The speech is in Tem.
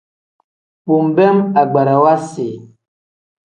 Bo nbeem agbarawa si.